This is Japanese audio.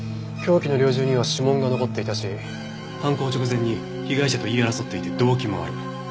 凶器の猟銃には指紋が残っていたし犯行直前に被害者と言い争っていて動機もある。